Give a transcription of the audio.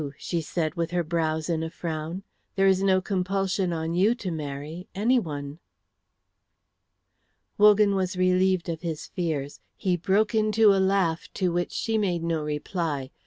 she said with her brows in a frown; "there is no compulsion on you to marry anyone." Wogan was relieved of his fears. He broke into a laugh, to which she made no reply.